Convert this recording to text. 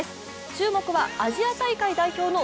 注目はアジア大会代表の